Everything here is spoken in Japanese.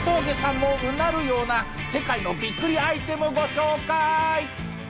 もうなるような世界のびっくりアイテムご紹介！